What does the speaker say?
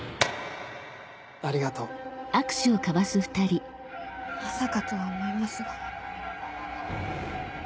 ありがとうまさかとは思いますが。